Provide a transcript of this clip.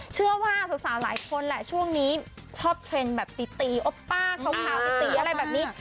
เชื่อว่าสาวหลายคนแหละช่วงนี้ชอบเทรนด์แบบตีตีโอป้าขาวตีอะไรแบบนี้